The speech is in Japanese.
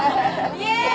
イエーイ